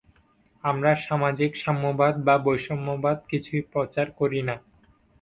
আমরা সামাজিক সাম্যবাদ বা বৈষম্যবাদ কিছুই প্রচার করি না।